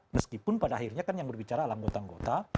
meskipun pada akhirnya kan yang berbicara anggota anggota